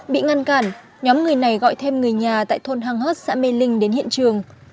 bị ngăn cản nhóm người này gọi thêm người nhà tại thôn hang hớt xã mê linh đến hiện trường